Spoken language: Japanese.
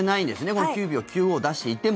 この９秒９５を出していても。